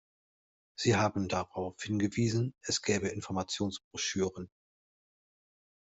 Sie haben darauf hingewiesen, es gäbe Informationsbroschüren.